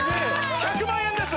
１００万円です！